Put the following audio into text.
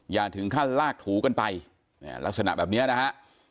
อย่าถึงขั้นลากถูกันไปลักษณะแบบนี้นะฮะ